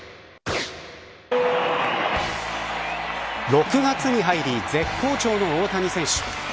６月に入り絶好調の大谷選手。